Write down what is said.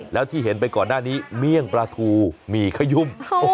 แล้วที่เห็นไปก่อนหน้านี้เมี่ยงปลาทูหมี่ขยุ่ม